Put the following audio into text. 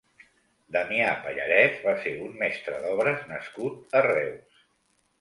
Damià Pallarès va ser un mestre d'obres nascut a Reus.